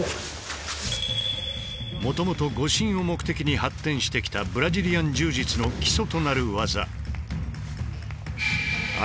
もともと護身を目的に発展してきたブラジリアン柔術の基礎となる技。